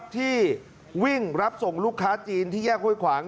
ที่วิ่งรับส่งลูกค้าจีนที่แยกห้วยขวาง